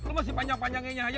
lo masih panjang panjangnya aja